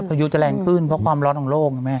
ประยุจะแรงขึ้นเพราะความร้อนของโลก